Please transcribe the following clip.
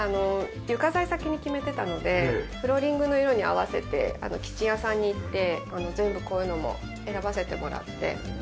床材先に決めてたのでフローリングの色に合わせてキッチン屋さんに行って全部こういうのも選ばせてもらって。